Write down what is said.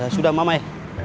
sudah mama ya